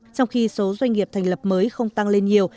trong khi số doanh nghiệp thành lập mới không tăng lên nhiều